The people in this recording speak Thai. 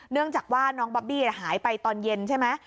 เนื่องจากว่าน้องบอบบี้หายไปตอนเย็นใช่ไหม